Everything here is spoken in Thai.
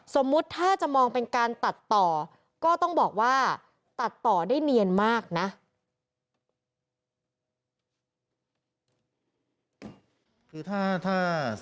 สมมุติถ้าจะมองเป็นการตัดต่อก็ต้องบอกว่าตัดต่อได้เนียนมากนะ